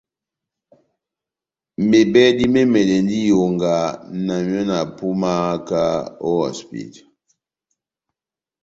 Mebɛdi me mɛdɛndi iyonga na miɔ na pumaka o hosipita.